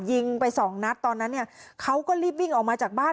ยิงไปสองนัดตอนนั้นเนี่ยเขาก็รีบวิ่งออกมาจากบ้าน